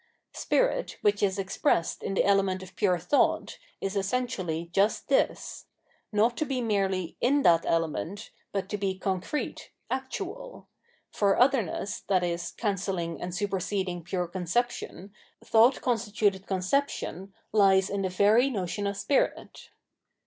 Spirit, which is expressed in the element of pure thought, is essentially just this : not to be merely in that element, but to be concrete, actual ; for otherness, i.e. cancelling and superseding pure conception, thought constituted conception, hes in the very notion of Spirit.